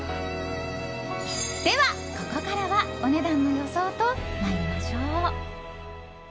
では、ここからはお値段の予想と参りましょう。